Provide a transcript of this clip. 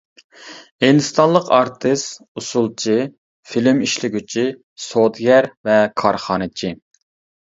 ھىندىستانلىق ئارتىس، ئۇسسۇلچى، فىلىم ئىشلىگۈچى، سودىگەر ۋە كارخانىچى.